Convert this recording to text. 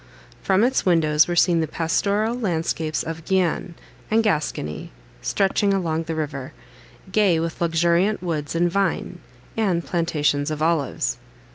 From its windows were seen the pastoral landscapes of Guienne and Gascony stretching along the river, gay with luxuriant woods and vine, and plantations of olives.